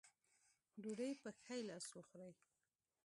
ډوډۍ پۀ ښي لاس وخورئ ـ